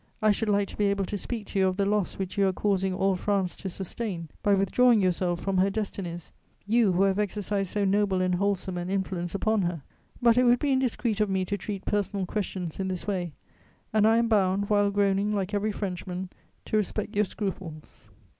I should like to be able to speak to you of the loss which you are causing all France to sustain by withdrawing yourself from her destinies, you who have exercised so noble and wholesome an influence upon her. But it would be indiscreet of me to treat personal questions in this way, and I am bound, while groaning like every Frenchman, to respect your scruples."